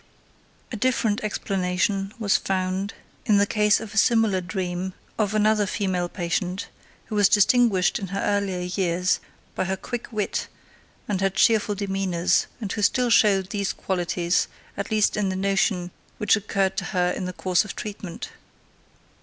A different explanation was found in the case of a similar dream of another female patient, who was distinguished in her earlier years by her quick wit and her cheerful demeanors and who still showed these qualities at least in the notion, which occurred to her in the course of treatment.